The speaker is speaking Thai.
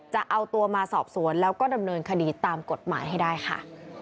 จะเอาตัวมาสอบสวนแล้วก็ดำเนินคดีตามกฎหมายให้ได้ค่ะ